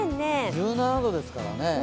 １７度ですからね。